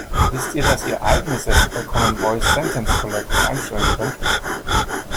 Wisst ihr, dass ihr eigene Sätze bei Common Voice Sentence Collector einstellen könnt?